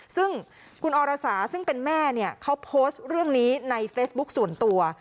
ซึ่งคุณอรสาซึ่งเป็นแม่เนี่ยเขาโพสต์เรื่องนี้ในเฟซบุ๊คส่วนตัว